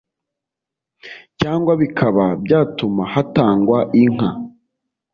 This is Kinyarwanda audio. cyangwa bikaba byatuma hatangwa inka